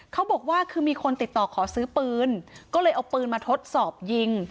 เขาบอกว่าคือมีคนติดต่อขอซื้อปืนก็เลยเอาปืนมาทดสอบยิง